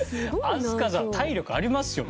飛鳥さん体力ありますよ